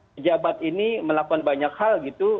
pejabat ini melakukan banyak hal gitu